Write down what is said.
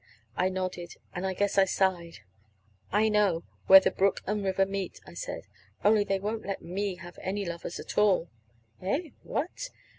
I nodded, and I guess I sighed. "I know where the brook and river meet," I said; "only they won't let me have any lovers at all." "Eh? What?"